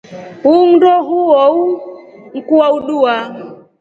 Huu ngʼndo huuwou nkuwaudua.